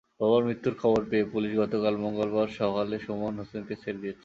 বাবার মৃত্যুর খবর পেয়ে পুলিশ গতকাল মঙ্গলবার সকালে সুমন হোসেনকে ছেড়ে দিয়েছে।